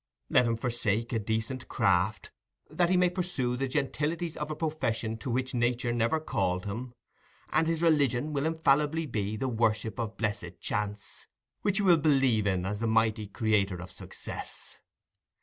Let him forsake a decent craft that he may pursue the gentilities of a profession to which nature never called him, and his religion will infallibly be the worship of blessed Chance, which he will believe in as the mighty creator of success.